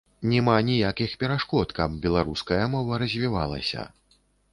Няма ніякіх перашкод, каб беларуская мова развівалася.